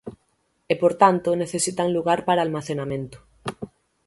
E, por tanto, necesitan lugar para almacenamento.